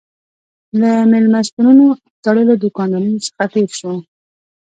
له مېلمستونونو او تړلو دوکانونو څخه تېر شوو.